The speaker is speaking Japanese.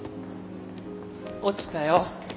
落ちたよ。